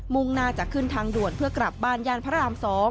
่งหน้าจะขึ้นทางด่วนเพื่อกลับบ้านย่านพระราม๒